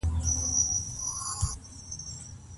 ابليس خپل تشکيلونه چيرته ليږي؟